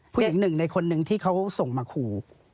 ผู้หญิงหนึ่งในคนนึงที่เขาส่งมาขู่